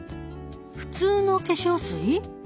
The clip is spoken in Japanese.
普通の化粧水？